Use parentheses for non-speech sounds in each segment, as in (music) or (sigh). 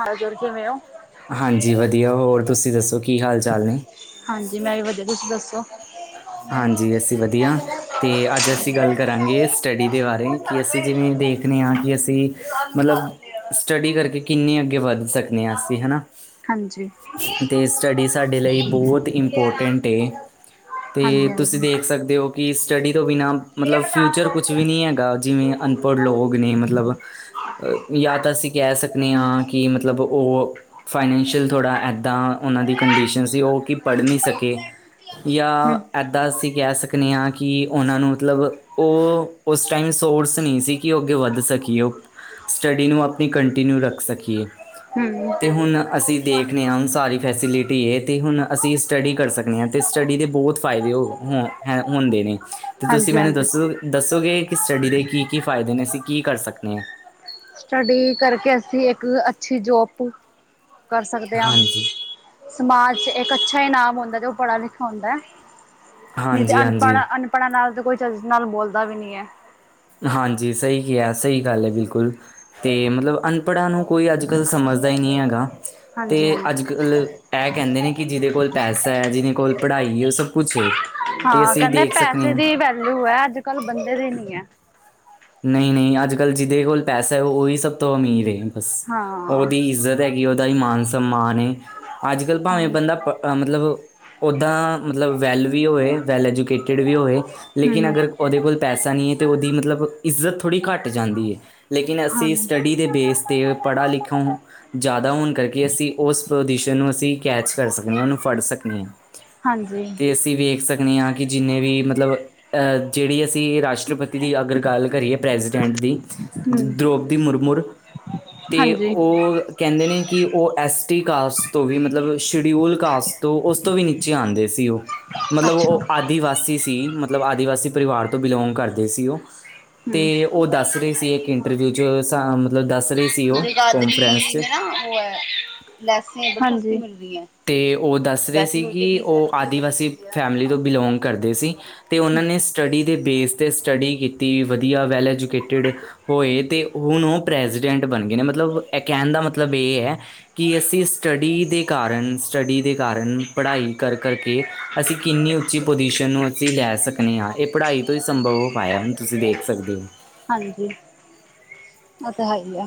ਹਾਲ-ਚਾਲ ਕਿਵੇਂ ਹੋ? ਹਾਂਜੀ, ਵਧੀਆ ਹੋਰ ਤੁਸੀਂ ਦੱਸੋ ਕੀ ਹਾਲ ਚਾਲ ਨੇ? ਹਾਂਜੀ, ਮੈਂ ਵੀ ਵਧੀਆ ਤੁਸੀਂ ਦੱਸੋ? ਹਾਂਜੀ, ਅਸੀਂ ਵਧੀਆ। ਹਾਂਜੀ। ਤੇ ਅੱਜ ਅਸੀਂ ਗੱਲ ਕਰਾਂਗੇ ਸਟੱਡੀ ਦੇ ਬਾਰੇ ਕਿ ਅਸੀਂ ਜਿਵੇਂ ਦੇਖਨੇ ਹਾਂ ਕਿ ਅਸੀਂ ਮਤਲਬ (unintelligible) ਸਟੱਡੀ ਕਰਕੇ ਕਿੰਨੀ ਅੱਗੇ ਵੱਧ ਸਕੇ ਸਕਦੇ ਹਾਂ ਅਸੀਂ ਹੈ ਨਾ਼, ਹਾਂਜੀ ਤੇ ਸਟੱਡੀ ਸਾਡੇ ਲਈ ਬਹੁਤ ਇੰਪੋਰਟੈਂਟ ਏ। ਹਾਂਜੀ। 'ਤੇ ਤੁਸੀਂ ਦੇਖ ਸਕਦੇ ਹੋ ਕਿ ਸਟੱਡੀ ਤੋਂ ਬਿਨਾਂ ਮਤਲਬ ਫਿਊਚਰ ਕੁਛ ਵੀ ਨੀ ਹੈਗਾ ਜਿਵੇਂ ਅਨਪੜ੍ਹ ਲੋਕ ਨੇ ਮਤਲਬ ਅ ਜਾਂ ਤਾਂ ਅਸੀਂ ਕਹਿ ਸਕਦੇ ਕਿ ਮਤਲਬ ਉਹ ਫਾਈਨੈਂਸ਼ੀਅਲ ਥੋੜਾ ਇੱਦਾਂ ਉਨਾਂ ਦੀ ਕੰਡੀਸ਼ਨ ਸੀ, ਉ ਕਿ ਪੜ੍ਹ ਨੀ ਸਕੇ। ਹੂੰ ਜਾਂ ਹੂੰ। ਏਦਾਂ ਅਸੀਂ ਕਹਿ ਸਕਣੇ ਹਾਂ ਕਿ ਉਹਨਾਂ ਨੂੰ ਮਤਲਬ ਉ ਉਸ ਟਾਈਮ ਸੋਰਸ ਨੀ ਸੀ ਕਿ ਉ ਅੱਗੇ ਵੱਧ ਸਕੇ। ਉ ਸਟੱਡੀ ਨੂੰ ਆਪਣੀ ਕੰਟੀਨਿਊ ਰੱਖ ਸਕੀਏ ਤੇ ਹੁਣ ਅਸੀਂ ਦੇਖਣੇ ਹਾਂ ਹੁਣ ਸਾਰੀ ਫੈਸਿਲਿਟੀ ਏ 'ਤੇ ਹੁਣ ਅਸੀਂ ਸਟੱਡੀ ਕਰ ਸਕਦੇ ਹਾਂ ਤੇ ਸਟੱਡੀ ਦੇ ਬਹੁਤ ਫਾਇਦੇ ਹੋ ਹੈ ਹੋ ਹੁੰਦੇ ਤੇ ਤੁਸੀਂ ਹਾਂਜੀ ਮੈਨੂੰ ਹਾਂਜੀ। ਦੱਸੋ? ਦੱਸੋਗੇ ਕਿ ਸਟੱਡੀ ਦੇ ਕੀ-ਕੀ ਫਾਇਦੇ ਨੇ ਅਸੀਂ ਕੀ ਕਰ ਸਕਦੇ ਹਾਂ? ਸਟੱਡੀ ਕਰਕੇ ਅਸੀਂ ਇੱਕ ਅੱਛੀ ਜੌਪ ਕਰ ਸਕਦੇ ਹਾਂ। ਹਾਂਜੀ, ਸਮਾਜ 'ਚ ਇੱਕ ਅੱਛਾ ਇਨਾਮ ਹੁੰਦਾ, ਜੋ ਪੜ੍ਹਾ-ਲਿਖਾ ਹੁੰਦਾ ਹੈ, ਨਹੀਂ ਤੇ ਹਾਂਜੀ-ਹਾਂਜੀ, ਅਨਪੜ੍ਹ ਅਨ ਪੜਾ ਨਾਲ ਕੋਈ ਚਜ਼ ਨਾਲ ਬੋਲਦਾ ਵੀ ਨਹੀਂ ਏ। ਹਾਂਜੀ, ਸਹੀ ਕਿਹਾ ਸਹੀ ਗੱਲ ਹੈ ਬਿਲਕੁਲ 'ਤੇ ਮਤਲਬ ਅਨਪੜ੍ਹਾਂ ਨੂੰ ਕੋਈ ਅੱਜ-ਕੱਲ ਸਮਝਦਾ ਹੀ ਨੀ ਹੈਗਾ ਹਾਂਜੀ ਤੇ ਹਾਂਜੀ ਅੱਜ ਕ ਕੱਲ ਏ ਕਹਿੰਦੇ ਨੇ ਕਿ ਜਿਹਦੇ ਕੋਲ ਪੈਸਾ ਹੈ ਜਿਹਦੇ ਕੋਲ ਪੜਾਈ ਹੈ ਉ ਸਭ ਕੁਝ ਏ। ਤੇ ਹਾਂ, ਅਸੀਂ ਕਹਿੰਦੇ ਦੇਖ ਸਕਨੇ ਪੈਸੇ ਆ। ਦੀ ਵੈਲੂ ਹੈ ਅੱਜ-ਕੱਲ ਬੰਦੇ ਦੀ ਨੀ ਹੈ। ਨਹੀਂ-ਨਹੀਂ, ਅੱਜ-ਕੱਲ ਜਿਹਦੇ ਕੋਲ ਪੈਸਾ ਹੈ ਉਹੀ ਸਭ ਤੋਂ ਅਮੀਰ ਹੈ ਬਸ ਹਾਂ ਉਹਦੀ ਇੱਜ਼ਤ ਹੈਗੀ ਉਹਦਾ ਹੀ ਮਾਨ-ਸਮਾਨ ਏ ਅੱਜ-ਕੱਲ ਭਾਵੇਂ ਹਮ ਬੰਦਾ ਪੜ ਮਤਲਬ ਉੱਦਾਂ ਮਤਲਬ ਵੈੱਲ ਵੀ ਹੋਏ, ਵੈੱਲ ਐਜੂਕੇਟਡ ਵੀ ਹੋਵੇ, ਲੇਕਿਨ ਹਮ ਅਗਰ ਉਹਦੇ ਕੋਲ ਪੈਸਾ ਨਈ ਐ ਤੇ ਉਹਦੀ ਮਤਲਬ ਇੱਜ਼ਤ ਥੋੜ੍ਹੀ ਘੱਟ ਜਾਂਦੀ ਐ ਲੇਕਿਨ ਹਾਂ ਅਸੀਂ ਸਟੱਡੀ ਦੇ ਬੇਸ 'ਤੇ ਪੜ੍ਹਾ ਲਿਖਾ ਜ਼ਿਆਦਾ ਹੋਣ ਕਰਕੇ ਅਸੀਂ ਉਸ ਪੁਜੀਸ਼ਨ ਨੂੰ ਅਸੀਂ ਕੈਚ ਕਰ ਸਕਣੀ ਆ, ਉਹਨੂੰ ਫੜ ਸਕਣੀ ਆ। ਹਾਂਜੀ। ਅਸੀਂ ਵੇਖ ਸਕਨੇ ਆ ਕਿ ਜਿੰਨੇ ਵੀ ਮਤਲਬ ਜਿਹੜੀ ਅਸੀਂ ਰਾਸ਼ਟਰਪਤੀ ਦੀ ਅਗਰ ਗੱਲ ਪ੍ਰੈਜੀਡੈਂਟ ਦੀ, ਹਮ ਦੋ੍ਰਪਦੀ ਮੁਰਮੂਰ ਤੇ ਹਾਂਜੀ ਉਹ ਕਹਿੰਦੇ ਨੇ ਕਿ ਉਹ ਐੱਯਸ ਟੀ ਕਾਸਟ ਤੋਂ ਵੀ ਮਤਲਬ ਸ਼ਡਿਊਲ ਕਾਸਟ ਤੋਂ ਉਸ ਤੋਂ ਵੀ ਨੀ ਵਿੱਚ ਆਉਂਦੇ ਸੀ ਉਹ ਮਤਲਬ ਅੱਛਾ ਉਹ ਆਦਿਵਾਸੀ ਸੀ, ਮਤਲਬ ਆਦਿਵਾਸੀ ਪਰਿਵਾਰ ਤੋਂ ਬਿਲੋਂਗ ਕਰਦੇ ਸੀ ਉਹ। ਹਮ ਤੇ ਉਹ ਦੱਸ ਰਹੇ ਸੀ ਇੱਕ ਇੰਟਰਵਿਊ 'ਚ ਮਤਲਬ ਦੱਸ ਰਹੇ ਸੀ ਉਹ ਕਨਫਰੰਸ 'ਚ ਉਹ ਐ, (unintelligible) (unintelligible) ਹਾਜੀ। ਤੇ ਉਹ ਦੱਸ ਰਹੇ ਸੀ ਕਿ ਉਹ ਮਿੰਟ ਆਦਿਵਾਸੀ ਜਿਹੜਾ ਫੈਮਲੀ ਤੋਂ ਬਿਲੋਗ ਕਰਦੇ ਸੀ। ਤੇ ਉਹਨਾਂ ਨੇ ਸਟੱਡੀ ਦੇ ਬੇਸ 'ਤੇ ਸਟੱਡੀ ਕੀਤੀ ਵਧੀਆ ਵੈੱਲ ਐਜੂਕੇਟਿਡ ਹੋਏ ਤੇ ਹੁਣ ਉਹ ਪ੍ਰੈਜੀਡੈਂਟ ਬਣ ਗਏ ਨੇ ਮਤਲਬ ਇਹ ਕਹਿਣ ਦਾ ਮਤਲਬ ਇਹ ਹੈ ਕਿ ਅਸੀਂ ਸਟੱਡੀ ਦੇ ਕਾਰਨ ਸਟੱਡੀ ਦੇ ਕਾਰਨ ਪੜ੍ਹਾਈ ਕਰ-ਕਰ ਕਰਕੇ ਅਸੀਂ ਕਿੰਨੀ ਉੱਚੀ ਪੁਜੀਸ਼ਨ ਨੂੰ ਅਸੀਂ ਲੈ ਸਕਦੇ ਹਾਂ ਇਹ ਪੜ੍ਹਾਈ ਤੋਂ ਹੀ ਸੰਭਵ ਹੋ ਪਾਇਆ ਹੁਣ ਤੁਸੀਂ ਦੇਖ ਸਕਦੇ ਹੋ। ਹਾਂਜੀ‌। ਉਹ ਤਾਂ ਹੈ ਹੀ ਆ।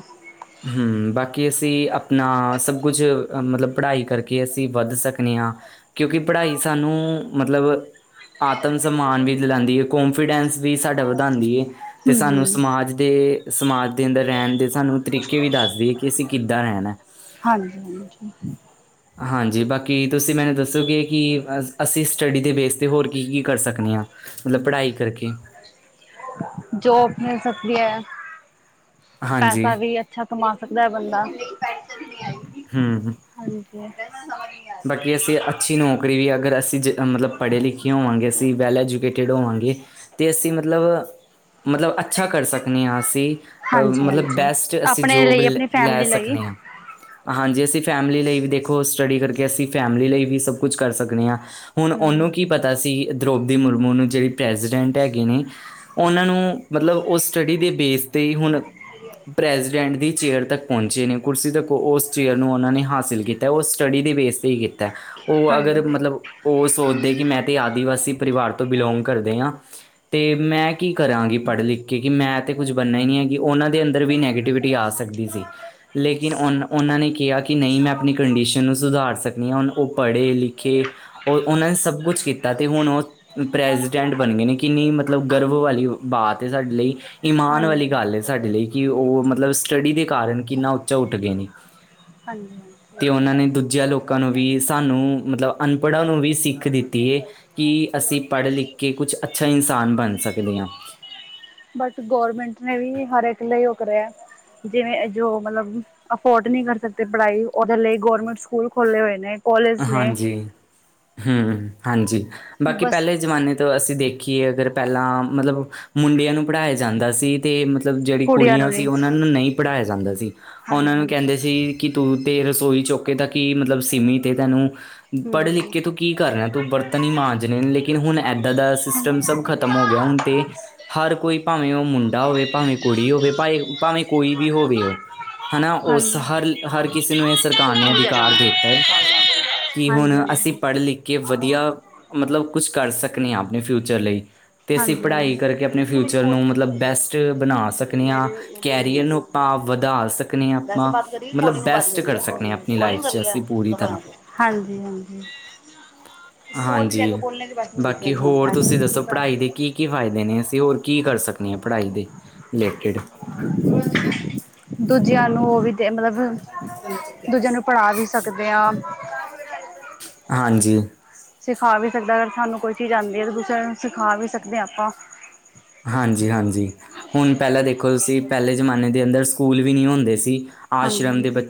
ਹੂੰ, ਬਾਕੀ ਅਸੀਂ ਆਪਣਾ ਸਭ ਕੁਝ ਮਤਲਬ ਪੜ੍ਹਾਈ ਕਰਕੇ ਅਸੀਂ ਵੱਧ ਸਕਦੇ ਹਾਂ। ਕਿਉਂਕਿ ਪੜ੍ਹਾਈ ਸਾਨੂੰ ਮਤਲਬ ਆਤਮ ਸਨਮਾਨ ਦਿਲਾਉਂਦੀ ਹੈ, ਕੋਂਨਫੀਡੈਂਸ ਸਾਡਾ ਵਧਾਉਂਦੀ ਹੈ। ਤੇ ਹਮ ਸਾਨੂੰ ਹਮ ਸਮਾਜ ਦੇ ਸਮਾਜ ਦੇ ਅੰਦਰ ਰਹਿਣ ਦੇ ਸਾਨੂੰ ਤਰੀਕੇ ਵੀ ਦੱਸਦੀਏ ਕਿ ਅਸੀਂ ਕਿੱਦਾਂ ਰਹਿਣੈ। ਹਾਂਜੀ-ਹਾਂਜੀ। ਹਾਂਜੀ। ਬਾਕੀ ਤੁਸੀਂ ਮੈਨੂੰ ਦੱਸੋਗੇ ਕਿ ਅਸੀਂ ਸਟੱਡੀ ਦੇ ਬੇਸ 'ਤੇ ਹੋਰ ਕੀ-ਕੀ ਕਰ ਸਕਦੇ ਹਾਂ? ਮਤਲਬ ਪੜ੍ਹਾਈ ਕਰਕੇ ਜੋਬ ਮਿਲ ਸਕਦੀ ਆ, ਹਾਂਜੀ, ਪੈਸਾ ਵੀ ਐ। ਅੱਛਾ ਕਮਾ ਸਕਦਾ ਐ ਬੰਦਾ। ਹਮ-ਹੂੰ। ਹਾਂਜੀ। ਬਾਕੀ ਅਸੀਂ ਅੱਛੀ ਨੌਕਰੀ ਵੀ ਅਗਰ ਅਸੀਂ ਜ ਮਤਲਬ ਪੜ੍ਹੇ ਲਿਖੇ ਹੋਵਾਂਗੇ ਅਸੀਂ ਵੈੱਲ ਐਜੂਕੇਟਿਡ ਹੋਵਾਂਗੇ। ਤੇ ਅਸੀਂ ਮਤਲਬ-ਮਤਲਬ ਅੱਛਾ ਕਰ ਸਕਨੇ ਆ ਅਸੀਂ ਅ ਹਾਂਜੀ ਮਤਲਬ ਹਾਂਜੀ ਬੈਸਟ ਅਸੀਂ ਆਪਣੇ ਜੋਬ ਲਈ ਲੈ ਆਪਣੀ ਲੈ ਫੈਮਿਲੀ ਲਈ ਸਕਨੇ ਆ। ਹਾਂਜੀ, ਅਸੀਂ ਫੈਮਿਲੀ ਲਈ ਵੀ ਦੇਖੋ ਸਟੱਡੀ ਕਰਕੇ, ਅਸੀਂ ਫੈਮਿਲੀ ਲਈ ਵੀ ਸਭ ਕੁਝ ਕਰ ਸਕਨੇ ਆ। ਹੁਣ ਹਮ ਉਹਨੂੰ ਕੀ ਪਤਾ ਸੀ ਦਰੋਪਦੀ ਮੁਰਮੂ ਨੂੰ ਜਿਹੜੇ ਪ੍ਰੈਜੀਡੈਂਟ ਹੈਗੇ ਨੇ ਉਹਨਾਂ ਨੂੰ ਮਤਲਬ ਉਹ ਸਟੱਡੀ ਦੇ ਬੇਸ 'ਤੇ ਹੀ ਹੁਣ ਪ੍ਰੈਜੀਡੈਂਟ ਦੀ ਚੇਅਰ ਤੱਕ ਪਹੁੰਚੇ ਨੇ, ਕੁਰਸੀ ਤੱਕ ਉਸ ਚੇਅਰ ਨੂੰ ਉਹਨਾਂ ਨੇ ਹਾਸਿਲ ਕੀਤਾ, ਉਸ ਸਟੱਡੀ ਦੇ ਵੇਸ ਤੇ ਈ ਕੀਤੈ। ਉਹ ਅਗਰ ਹਾਂਜੀ ਮਤਲਬ ਉਹ ਸੋਚਦੇ ਕਿ ਮੈਂ ਤੇ ਆਦਿਵਾਸੀ ਪਰਿਵਾਰ ਤੋਂ ਬਿਲੋਂਗ ਕਰਦੇ ਆ। ਤੇ ਮੈਂ ਕੀ ਕਰਾਂਗੀ ਪੜ੍ਹ-ਲਿਖ ਕੇ, ਕਿ ਮੈਂ ਤਾਂ ਕੁਝ ਬਣਨਾ ਹੀ ਨਹੀਂ ਹੈਗੀ ਉਹਨਾਂ ਦੇ ਅੰਦਰ ਵੀ ਨੈਗੇਟਿਵਿਟੀ ਆ ਸਕਦੀ ਸੀ ਲੇਕਿਨ ਉਹਨਾਂ ਨੇ ਕਿਹਾ ਕਿ ਨਹੀਂ ਮੈਂ ਆਪਣੀ ਕੰਡੀਸ਼ਨ ਨੂੰ ਸੁਧਾਰ ਸਕ ਹੁਣ ਉਹ ਪੜ੍ਹੇ-ਲਿਖੇ, ਉਹ ਉਹਨਾਂ ਨੇ ਸਭ ਕੁਛ ਕੀਤਾ ਤੇ ਹੁਣ ਉਹ ਪ੍ਰੈਜੀਡੈਂਟ ਬਣ ਗਏ ਨੇ, ਕਿੰਨੀ ਮਤਲਬ ਗਰਭ ਵਾਲੀ ਬਾਤ ਹੈ ਸਾਡੇ ਲਈ ਏ ਮਾਨ ਹਾਂਜੀ ਵਾਲੀ ਹਾਂਜੀ ਗੱਲ ਐ ਸਾਡੇ ਲਈ ਕਿ ਉਹ ਮਤਲਬ ਸਟੱਡੀ ਦੇ ਕਾਰਨ ਕਿੰਨਾ ਉੱਚਾ ਉੱਠ ਗਏ ਨੇ। ਹਾਂਜੀ-ਹਾਂਜੀ ਔ ਤੇ ਹੈ ਈ। ਉਨੂੰ ਮਤਲਬ ਅਨਪੜ੍ਹਾਂ ਨੂੰ ਵੀ ਸਿੱਖ ਦਿੱਤੀ ਏ। ਕਿ ਅਸੀਂ ਪੜ੍ਹ ਲਿਖ ਕੇ ਕੁਛ ਅੱਛਾ ਇਨਸਾਨ ਬਣ ਸਕਦੇ ਆ। ਬਟ ਗਰਮੈਂਟ ਨੇ ਵੀ ਹਰ ਇੱਕ ਲਈ ਉਹ ਕਰਿਆ ਜਿਵੇਂ ਜੋ ਮਤਲਬ ਅਫੋਰਡ ਨੀ ਕਰ ਸਕਦੇ ਪੜ੍ਹਾਈ ਉਦੇ ਲਈ ਗੌਰਮੈਂਟ ਸਕੂਲ ਖੋਲ੍ਹੇ ਹੋਏ ਨੇ। ਕੋਲਜ ਨੇ ਹਾਂਜੀ ਹਮ ਹਾਂਜੀ ਬਾਕੀ ਬਸ ਪੈਲੇ ਜ਼ਮਾਨੇ ਤਾਂ ਅਸੀਂ ਦੇਖੀਏ ਅਗਰ ਪੈਲਾਂ ਮਤਲਬ ਮੁੰਡਿਆਂ ਨੂੰ ਪੜ੍ਹਾਇਆ ਜਾਂਦਾ ਸੀ। ਤੇ ਮਤਲਬ ਜੇੜੀ ਕੁੜੀਆਂ ਨੂੰ ਸੀ ਲਈ ਨੂੰ ਪੜ੍ਹਾਇਆ ਜਾਂਦਾ ਸੀ ਉਨਾਂ ਹਾਂਜੀ ਨੂੰ ਕੈਂਦੇ ਸੀ ਕਿ ਤੂੰ ਤੇ ਰਸੋਈ ਚੌਕੇ ਤਕ ਈ ਮਤਲਬ ਸਿੰਮਿਤ ਏ ਤੈਨੂੰ ਪੜ-ਲਿਖ ਹਾਂਜੀ ਕੇ ਤੂੰ ਕੀ ਕਰਨਾ ਤੂੰ ਬਰਤਨ ਹੀ ਮਾਂਜਣੇ ਨੇ ਲੇਕਿਨ ਹੁਣ ਇੱਦਾਂ ਦਾ ਸਿਸਟਮ ਸਭ ਖ਼ਤਮ ਹੋ ਗਿਆ ਹੁਣ ਤੇ ਹਰ ਕੋਈ ਭਾਵੇਂ ਓ ਮੁੰਡਾ ਹੋਵੇ ਭਾਵੇਂ ਕੁੜੀ ਹੋਵੇ ਭਾਏ ਭਾਵੇਂ ਕੋਈ ਵੀ ਹੋਵੇ ਓ। ਹਨਾ ਹਮ ਉਸ ਹਾਂਜੀ ਹਰ-ਹਰ ਕਿਸੇ ਨੂੰ ਇਹ ਸਰਕਾਰ ਨੇ ਹਾਂਜੀ ਅਧਿਕਾਰ ਦੇਤਾ ਹੈ ਕਿ ਕਿ ਹੁਣ ਹਾਂਜੀ ਅਸੀਂ ਪੜ-ਲਿਖ ਕੇ ਵਧੀਆ ਮਤਲਬ ਕੁਛ ਕਰ ਸਕਨੇ ਆਂ ਆਪਣੇ ਫਿਊਚਰ ਲਈ। ਅਤੇ ਅਸੀਂ ਹਾਂਜੀ ਹਾਂਜੀ ਪੜ੍ਹਾਈ ਕਰਕੇ ਆਪਣੇ ਫਿਊਚਰ ਨੂੰ ਮਤਲਬ ਬੈਸਟ ਬਣਾ ਸਕਨੇ ਆ ਕੈਰੀਅਰ ਨੂੰ ਆਪਾਂ ਵਧਾ ਸਕਦੇ ਆ ਆਪਾਂ ਮਤਲਬ ਬੈਸਟ ਕਰ ਸਕਨੇ ਆ ਆਪਣੀ ਲਾਈਫ ਚ ਅਸੀਂ ਪੂਰੀ ਤਰਾ। ਹਾਂਜੀ-ਹਾਂਜੀ ਬੋਲ ਵੀ ਲੈ ਹਾਂਜੀ (unintelligible) ਕੀ-ਕੀ ਫਾਇਦੇ ਨੇ ਅਸੀਂ ਹੋਰ ਕੀ ਕਰ ਸਕਨੇ ਆਂ ਪੜ੍ਹਾਈ ਦੇ ਰਿਲੇਟਿਡ? ਦੂਜਿਆਂ ਨੂੰ ਉਹ ਵੀ ਤੇ ਮਤਲਬ ਦੂਜਿਆਂ ਨੂੰ ਪੜਾ ਵੀ ਸਕਦੇ ਆ। ਹਾਂਜੀ। ਸਿਖਾ ਵੀ ਸਕਦਾ ਅਗਰ ਸਾਨੂੰ ਕੋਈ ਚੀਜ਼ ਆਂਦੀ ਐ ਤਾ ਦੁਸਾਆ ਨੂੰ ਸਿਖਾ ਵੀ ਸਕਦੇ ਆ ਆਪਾਂ। ਹਾਂਜੀ-ਹਾਂਜੀ ਹੁਣ ਪੇਲਾਂ ਦੇਖੋ ਤੁਸੀਂ ਪੇਲੇ ਜਮਾਨੇ ਦੇ ਅੰਦਰ ਸਕੂਲ ਵੀ ਨੀ ਹੁੰਦੇ ਸੀ। ਆਸ਼ਰਮ ਹਾਂਜੀ ਦੇ ਬ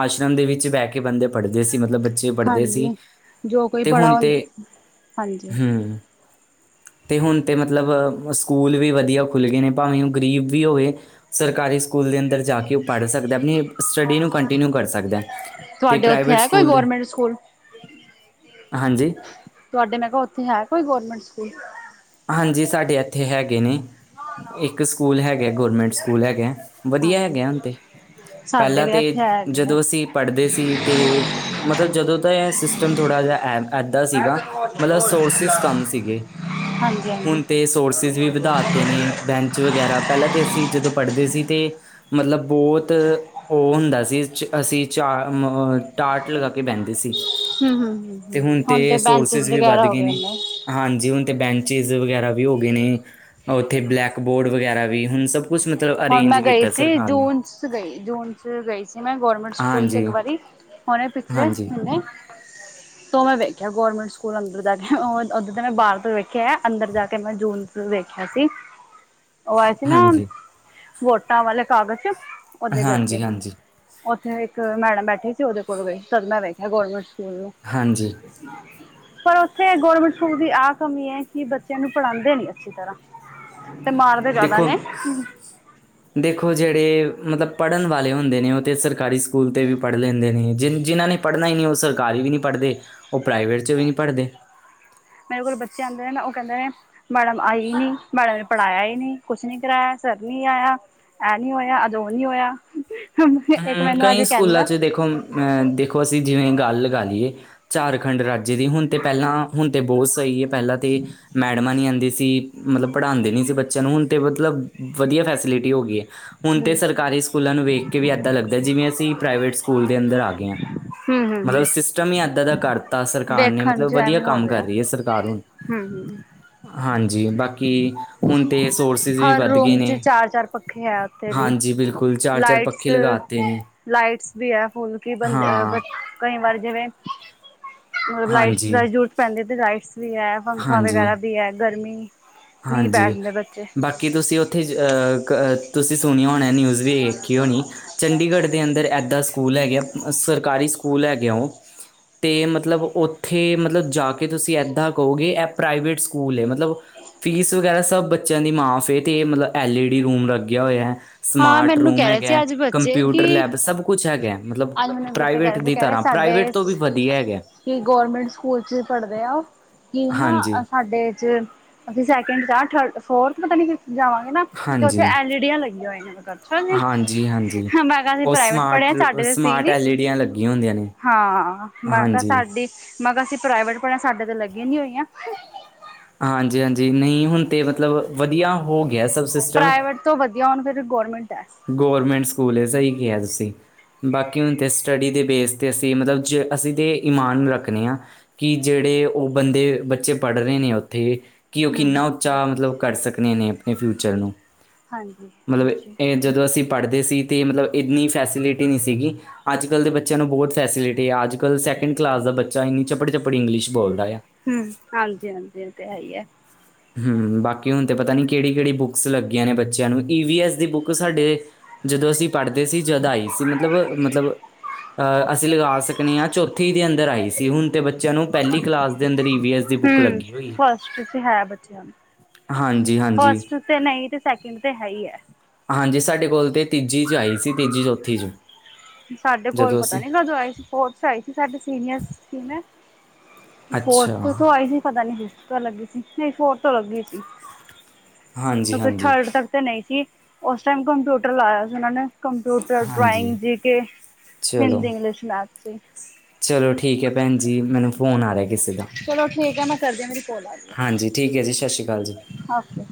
ਆਸ਼ਰਮ ਦੇ ਵਿੱਚ ਬੈ ਕੇ ਬੰਦੇ ਪੜ੍ਹਦੇ ਸੀ ਮਤਲਬ ਬ ਚੇ ਪੜਦੇ ਸੀ ਹਾਂਜੀ ਜੋ ਕੋਈ ਤੇ ਹੁਣ ਪੜ੍ਹਾ ਤੇ ਹਾਂਜੀ ਹੂੰ ਤੇ ਹੁਣ ਤੇ ਮਤਲਬ ਸਕੂਲ ਵੀ ਵਧੀਆ ਖੁੱਲ ਗਏ ਨੇ ਭਾਵੇਂ ਉਹ ਗਰੀਬ ਵੀ ਹੋਵੇ ਸਰਕਾਰੀ ਸਕੂਲ ਦੇ ਅੰਦਰ ਜਾ ਕੇ ਉਹ ਪੜ੍ਹ ਸਕਦਾ ਆਪਣੀ ਸਟੱਡੀ ਨੂੰ ਕੰਟੀਨਿਊ ਕਰ ਸਕਦਾ ਤੇ ਤੁਹਾਡੇ ਉੱਥੇ ਪ੍ਰਾਈਵੇਟ ਹੈ ਕੋਈ ਸਕੂਲ ਦੇ ਗੌਰਮੈਂਟ ਸਕੂਲ ਹਾਂਜੀ। ਤੁਹਾਡੇ ਮੈਂ ਕਿਹਾ ਉੱਥੇ ਹੈ ਕੋਈ ਗੌਰਮੈਂਟ ਸਕੂਲ? ਹਾਂਜੀ ਸਾਡੇ ਐਥੇ ਹੇਗੇ ਨੇ ਇੱਕ ਹੈਗੇ ਗੌਰਮੈਂਟ ਸਕੂਲ ਹੈਗੇ। ਵਧੀਆ ਹਾਂਜੀ ਹੈਗਾ ਹੁਣ ਤੇ ਸਾਡੇ ਪੈਲਾਂ ਵੀ ਇੱਥੇ ਤਾਂ ਹੈਗਾ ਹੈ ਜਦੋਂ ਅਸੀਂ ਪੜ੍ਹਦੇ ਸੀ ਤਾਂ ਮਤਲਬ ਜਦੋਂ ਇਹ ਸਿਸਟਮ ਥੋੜ੍ਹਾ ਜਿਹਾ ਏਦਾਂ ਸੀਗਾ ਮਤਲਬ ਸੋਰਸਿਸ ਕੰਮ ਸੀਗੇ। ਹਾਂ ਹੁਣ ਤੇ ਸੋਰਸਿਸ ਵੀ ਵਧਾਤੇ ਨੇ ਬੈਂਚ ਵਗੈਰਾ ਪੈਲਾ ਤੇ ਅਸੀਂ ਜਦੋਂ ਪੜ੍ਹਦੇ ਸੀ ਤੇ ਮਤਲਬ ਬੋਤ ਓ ਹੁੰਦਾ ਸੀ ਅਸੀਂ ਚਾ ਅ ਟਾਟ ਲਗਾ ਕੇ ਬੈਂਦੇ ਸੀ। ਹਮ ਹਮ ਤੇ ਹਮ ਹੁਣ ਤੇ ਬੈਂਚਿਸ ਸੋਰਸਿਸ ਵੀ ਵਗੈਰਾ ਵੱਧ ਹੋ ਗਏ ਨੇ। ਹਾਂਜੀ ਹੁਣ ਤੇ ਬੈਂਚਿਸ ਵਗੈਰਾ ਵੀ ਹੋ ਗੇ ਨੇ ਉੱਥੇ ਬਲੈਕ ਬੋਰਡ ਵਗੈਰਾ ਵੀ ਹੁਣ ਸਭ ਕੁਛ ਮਤਲਬ ਹੁਣ ਅਰੇਂਜ ਮੈਂ ਗਈ ਕੀਤਾ ਸੀ ਸਰਕਾਰ ਨੇ। ਜੂਨ ਚ ਗਈ ਜੂਨ ਚ ਗਈ ਸੀ ਮੈਂ ਗੌਰਮੈਂਟ ਸਕੂਲ ਚ ਇਕ ਹਾਂਜੀ ਵਾਰੀ ਹੁਣੇ ਪਿਛਲੇ ਹਾਂਜੀ ਮੀਨੇ। (inaudible) ਤੋਂ ਮੈਂ ਵੇਖਿਆ ਗੌਰਮੈਂਟ ਸਕੂਲ ਅੰਦਰ ਜਾ ਕੇ ਓਧਰ ਦੇ ਮੈਂ ਬਾਰ ਤੋਂ ਵੇਖਿਆ ਅੰਦਰ ਜਾ ਕੇ ਮੈਂ ਜੂਨ ਵੇਖਿਆ ਸੀ। (inaudible) ੳ ਆਏ ਸੀ ਨਾ ਹਾਂਜੀ, ਵੋਟਾਂ ਵਾਲੇ ਕਾਗਚ, ਓਦੇ ਕਰਕੇ ਹਾਂਜੀ, ਹਾਂਜੀ, ੳਥੇ ਏਕ ਮੈਡਮ ਬੈਠੀ ਸੀ। ੳਦੇ ਕੋਲ ਗਈ ਤਦ ਮੈਂ ਵੇਖਿਆ ਗੌਰਮੈਂਟ ਸਕੂਲ ਨੂੰ। ਹਾਂਜੀ। ਪਰ ੳਥੇ ਗੌਰਮੈਂਟ ਸਕੂਲ ਦੀ ਆਹ ਕਮੀ ਐ ਕਿ ਬੱਚੇਆਂ ਨੂੰ ਪੜਾਂਦੇ ਨੀ ਅੱਛੀ ਤਰਾਂ। ਤੇ ਮਾਰ ਦੇਖੋ ਹੁਨ ਦੇਖੋ ਜੇੜੇ ਮਤਲਬ ਪੜਨ ਵਾਲੇ ਹੁੰਦੇ ਨੇ ੳਹ ਤੇ ਸਰਕਾਰੀ ਸਕੂਲ ਤੇ ਵੀ ਪੜ ਲੈਦੇ ਨੇ ਜਿ ਜਿਨਾ ਨੇ ਪੜਨਾ ਈ ਨੀ ੳਹ ਸਰਕਾਰੀ ਵੀ ਨੀ ਪੜਦੇ ੳਹ ਪ੍ਰਾਈਵੇਟ ਚ ਵੀ ਨੀ ਪੜਦੇ। ਮੇਰੇ ਕੋਲ ਬੱਚੇ ਆਦੇ ਨੇ ਨਾ ੳ ਕੈਂਦੇ ਨੇ ਮੈਡਮ ਆਈ ਈ ਨੀ, ਮੈਡਮ ਨੇ ਪੜਾਏਆ ਈ ਨੀ, ਕੁਛ ਨੀ ਕਰਾਏਆ, ਸਰ ਨੀ ਆਏਆ ਏ ਨੀ ਹੋਏਆ, ਅੱਜ ੳ ਨੀ ਹੋਏਆ। ਇੱਕ ਹੂੰ ਮੈਨੂੰ ਅਆ ਕੇ ਕਈ ਸਕੂਲਾਂ ਕੈਂਦਾ 'ਚ ਦੇਖੋ ਅ ਦੇਖੋ ਅਸੀ ਜਿਵੇ ਗੱਲ ਲਗਾ ਲਈਏ ਝਾਰਖੰਡ ਰਾਜਏ ਦੀ, ਹੁਨ ਤੇ ਪੈਲਾ ਹੁਨ ਤੇ ਬੋਤ ਸਹੀ ਏ ਪੈਲਾ ਤੇ ਮੈਡਮਾ ਨਈ ਆਦੀ ਸੀ ਮਤਲਬ ਪੜਾਂਦੇ ਨਈ ਸੀ ਬੱਚੇਆ ਨੂੰ ਹੁਨ ਤੇ ਮਤਲਬ ਵਧੀਆ ਫੈਸਿਲਿਟੀ ਹੋ ਗਈ ਐ। ਹੁਣ ਤੇ ਹਮ ਸਰਕਾਰੀ ਸਕੂਲਾ ਨੂੰ ਵੇਖ ਕੇ ਵੀ ਏਦਾ ਲੱਗਦਾ ਜਿਵੇ ਅਸੀ ਪ੍ਰਾਈਵੇਟ ਸਕੂਲ ਦੇ ਅੰਦਰ ਆ ਗਏ ਆ। ਮਤਲਬ ਹੂੰ-ਹੂੰ, ਸਿਸਟਮ ਹੀ ਏਦਾ ਦਾ ਕਰਤਾ ਸਰਕਾਰ ਨੇ ਮਤਲਬ ਵਧੀਆ ਕੰਮ ਕਰ ਰਈ ਏ ਸਰਕਾਰ ਹੁਨ। ਹੂੰ ਹੂੰ। ਹਾਜੀ, ਬਾਕੀ ਹੁਨ ਤੇ ਸੋਰਸਿਸ ਵੀ ਹਰ ਵਧ ਗਏ ਰੂਮ ਚ ਨੇ ਚਾਰ-ਚਾਰ ਪੱਖੇ ਹੈ ਉੱਥੇ ਵੀ ਹਾਜੀ, ਬਿਲਕੁਲ ਚਾਰ-ਚਾਰ ਪੱਕ ਲਾਈਟਸ ਲਾਈਟਸ ਵੀ ਆ ਫੁੱਲ ਕੀ ਬੰਦ ਹਾਂ ਕਈ ਵਾਰ ਜਿਵੇ ਮਤਲਬ ਲਾਈਟਸ ਹਾਂਜੀ ਦਾ ਜਰੂਰਤ ਪੈਂਦੀ ਆ ਤੇ ਲਾਈਟਸ ਵੀ ਹੈ ਪੰਖਾ ਹਾਂਜੀ ਵਗੈਰਾ ਵੀ ਹੈ, ਗਰਮੀ ਨਹੀਂ ਹਾਂਜੀ ਬੈਠਦੇ ਬੱਚੇ ਬਾਕੀ ਤੁਸੀ ੳਥੇ ਅਹ ਤੁਸੀ ਸੁਨੇਆ ਹੋਨਾ ਨਿਊਜ ਵੇਖੀ ਹੋਣੀ ਚੰਢੀਗੜ ਦੇ ਅੰਦਰ ਏਦਾ ਸਕੂਲ ਹੈਗੇ ਆ ਸਰਕਾਰੀ ਸਕੂਲ ਹੈਗੇ ਆ ੳਹ ਤੇ ਮਤਲਬ ੳਥੇ ਮਤਲਬ ਜਾ ਕੇ ਤੁਸੀ ਏਦਾ ਕੳਗੇ ਏਹ ਪ੍ਰਾਈਵੇਟ ਸਕੂਲ ਏ ਮਤਲਬ ਫੀਸ ਵਗੈਰਾ ਸਭ ਬੱਚੇਆ ਦੀ ਮਾਫ ਏ ਤੇ ਮਤਲਬ ਐਲ ਈ ਡੀ ਰੂਮ ਲਗੇਆ ਹੋਏਆ। ਹਾਂ ਸਮਾਰਟ ਮੈਨੂੰ ਰੂਮ ਕਹਿ ਰਹੇ ਸੀ ਹੈਗਾ, ਅੱਜ ਬੱਚੇ ਕੰਪਿਊਟਰ ਕਿ ਲੈਬ ਸਭ ਕੁਛ ਹੈਗਾ, ਮਤਲਬ ਅੱਜ ਮੈਨੂੰ ਬੱਚੇ ਕਹਿ ਪ੍ਰਾਈਵੇਟ ਰਹੇ ਸੀ ਦੀ ਕਹਿ ਰਹੇ ਤਰਾਂ, ਪ੍ਰਾਈਵੇਟ ਸਾਡੇ ਤੋ ਵੀ ਵਧੀਆ ਹੈਗਾ। ਕਿ ਗੌਰਮੈਂਟ ਸਕੂਲ ਚ ਪੜਦੇ ਆ, ਕੀ ਨਾ ਹਾਂਜੀ, ਸਾਡੇ ਚ ਅਸੀ ਸੈਕਿੰਡ ਜਾ ਤਰਡ, ਫੋਰਥ ਪਤਾ ਨੀ ਜਾਵਾਗੇ ਨਾ ਤੇ ੳਥੇ ਹਾਂਜੀ, ਐਲ ਈ ਡੀਆ ਲੱਗੀਆ ਹੋਈਆ ਨੇ। ਅੱਛਾ ਜੀ, ਹਾਂਜੀ, ਹਾਂਜੀ। ਮੈ ਕੇਆ ਅਸੀ ਉਹ ਪ੍ਰਾਈਵੇਟ ਪੜੇ ਸਮਾਰਟ ਆਂ, ਸਾਡੇ ਤੇ ਸੀ ਸਮਾਰਟ ਨੀ ਐਲ ਈ ਡੀਆਂ ਲੱਗੀਆਂ ਹੁੰਦੀਆਂ ਨੇ ਹਾ ਮੈ ਕੇਅ ਹਾਂਜੀ। ਸਾਡੀ ਮੈ ਕੇਅ ਅਸੀ ਪ੍ਰਾਈਵੇਟ ਪੜੇ ਆ ਸਾਡੇ ਤਾ ਲੱਗੀ ਨੀ ਹੋਈਆ। ਹਾਂਜੀ-ਹਾਂਜੀ ਨਈ ਹੁਣ ਤੇ ਮਤਲਬ ਵਧੀਆ ਹੋ ਗਿਆ ਸਬ ਪ੍ਰਾਈਵੇਟ ਤੋ ਵਧੀਆ ਹੁਣ ਫੇਰ ਗੌਰਮੈਂਟ ਐ। ਗੌਰਮੈਂਟ ਸਕੂਲ ਏ, ਸਹੀ ਕੇਆ ਤੁਸੀ। ਬਾਕੀ ਹੁਣ ਤੇ ਸਟੱਡੀ ਦੇ ਬੇਸ ਤੇ ਅਸੀ ਮਤਲਬ ਜੇ ਅਸੀ ਤੇ ਈਮਾਨ ਰੱਖਨੇ ਆ। ਕਿ ਜੇੜੇ ੳ ਬੰਦੇ ਬੱਚੇ ਪਢ਼ ਰਏ ਨੇ ੳਥੇ ਕਿ ੳ ਹਮ ਕਿੰਨਾ ਉਚਾ ਮਤਲਬ ਕਰ ਸਕਨੇ ਨੇ ਅਪਨੇ ਫਿਊਚਰ ਨੂੰ ਹਾਂਜੀ ਮਤਲਬ ਜੀ ਜਦੋ ਅਸੀ ਪੜਦੇ ਸੀ ਤੇ ਮਤਲਬ ਏਨੀ ਫੈਸਿਲਿਟੀ ਨੀ ਸੀਗੀ ਅੱਜ-ਕਲ ਦੇ ਬੱਚੇਆ ਨੂੰ ਬੋਤ ਫੈਸਿਲਿਟੀ ਤੇ ਅੱਜ-ਕਲ ਸੈਕਿੰਡ ਕਲਾਸ ਦਾ ਬੱਚਾ ਏਨੀ ਚੱਪੜ-ਚੱਪੜ ਇੰਗਲਿਸ਼ ਬੋਲਦਾ ਏਆ। ਹੂੰ ਹਾਜੀ-ਹਾਜੀ ਏ ਤੇ ਹੈਈ ਐ। ਹੂੰ ਬਾਕੀ ਹੁਣ ਤੇ ਪਤਾ ਨੀ ਕੇੜੀ-ਕੇੜੀ ਬੁੱਕਸ ਲੱਗੀਆ ਨੇ ਬੱਚੇਆ ਨੂੰ, ਈ ਵੀ ਐਸ ਦੀ ਬੁੱਕ ਸਾਡੇ ਜਦੋ ਅਸੀ ਪੜਦੇ ਸੀ ਜਦ ਆਈ ਸੀ, ਮਤਲਬ, ਮਤਲਬ ਅ ਅਸੀਂ ਲਗਾ ਸਕਨੇ ਆ, ਚੌਥੀ ਦੇ ਅੰਦਰ ਆਈ ਸੀ। ਹੁਣ ਤੇ ਬੱਚਿਆਂ ਨੂੰ ਪਹਿਲੀ ਕਲਾਸ ਦੇ ਅੰਦਰ ਹੀ ਈ ਵੀ ਐਸ ਦੀ ਬੁੱਕ ਲੱਗੀ ਹੋਈ ਏ। ਏ ਤੇ ਹੈ ਬੱਚਿਆ ਨੂੰ ਹਾਂਜੀ, ਹਾਂਜੀ। ਫੇਰ ਨ‌ਈ ਤੇ ਸੈਕਿੰਡ ਤੇ ਹੈ ਈ ਐ। ਹਾਂਜੀ। ਸਾਡੇ ਕੋਲ ਤੇ ਤੀਜੀ ਚ ਆਈ ਸੀ। ਤੀਜੀ, ਚੌਥੀ ਚ ਸਾਡੇ ਕੋਲ ਜਦੋਂ ਪਤਾ ਅਸੀਂ ਨੀ ਕਦੋ ਆਏ ਸੀ। ਫੌਰਥ ਚ ਆਈ ਸੀ। ਸਾਡੇ ਸੀਨੀਅਰ ਸੀ ਮੈ ਫੌਰਥ ਅੱਛਾ, ਤੋ ਆਈ ਸੀ, ਪਤਾ ਨੀ ਫਿਫਥ ਤੋ ਲੱਗੀ ਸੀ। ਨ‌ਈ, ਫੋਰ ਤੋ ਲੱਗੀ ਸੀ। ਕਿਉਕਿ ਹਾਂਜੀ-ਹਾਂਜੀ, ਥਰਡ ਤੱਕ ਤੇ ਨ‌ਈ ਸੀ। ਓਸ ਟਾਈਮ ਕੰਪਿਊਟਰ ਲਾਇਆ ਸੀ। ਓਨਾਂ ਨੇ ਕੰਪਿਊਟਰ, ਹਾਂਜੀ ਡਰਾਇੰਗ, ਜੀ ਕੇ, ਚਲੋ, ਹਿੰਦੀ, ਇੰਗਲਿਸ਼, ਮੈਥ ਸੀ। ਚਲੋ, ਠੀਕ ਐ ਭੈਣ ਜੀ। ਮੈਨੂੰ ਫੋਨ ਆ ਰਿਹਾ ਕਿਸੇ ਦਾ ਚਲੋ, ਠੀਕ ਆ। ਮੈਂ ਕਰਦੀ ਮੇਰੀ ਕੋਲ ਆ ਗਈ। ਹਾਂਜੀ ਠੀਕ ਐ ਜੀ ਸਤਿ ਸ਼੍ਰੀ ਅਕਾਲ ਜੀ। ਓਕੇ